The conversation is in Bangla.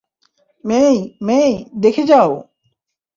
মেই, মেই, দেখে যাও!